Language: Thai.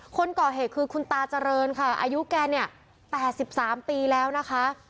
คนก่อเหตุคือคุณตาเจริญค่ะอายุแกเนี่ย๘๓ปีแล้วนะคะ